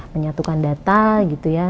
menyatukan data gitu ya